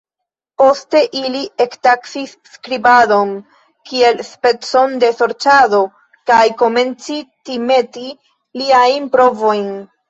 Poste, ili ektaksis skribadon kiel specon de sorĉado kaj komenci timeti liajn provojn.